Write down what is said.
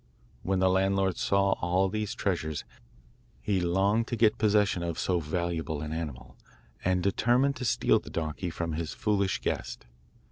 When the landlord saw all these treasures he longed to get possession of so valuable an animal, and determined to steal the donkey from his foolish guest.